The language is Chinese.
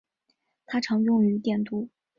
它常用于电镀。